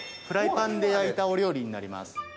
フライパンで焼いたお料理になります。